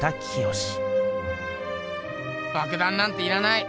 爆弾なんていらない！